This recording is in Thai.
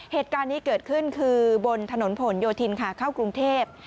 เหตุการณ์นี้เกิดขึ้นคือบนถนนผลโยธินค่ะเข้ากรุงเทพ